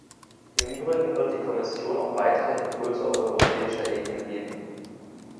Im Übrigen wird die Kommission auch weiterhin Impulse auf europäischer Ebene geben.